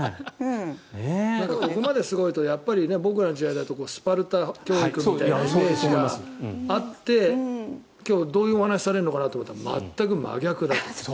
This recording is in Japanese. ここまですごいと僕らの時代だとスパルタ教育みたいなイメージがあって今日、どういうお話をされるのかなと思ったら全く真逆だった。